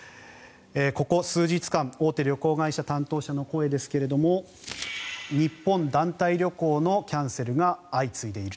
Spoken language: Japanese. ここ数日間大手旅行会社担当者の声ですが日本団体旅行のキャンセルが相次いでいる。